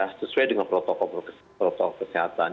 sesuai dengan protokol protokol kesehatan